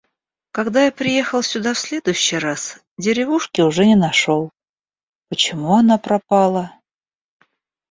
Когда я приехал сюда в следующий раз, деревушки уже не нашел. Почему она пропала?